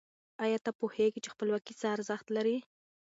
آیا ته پوهېږي چې خپلواکي څه ارزښت لري؟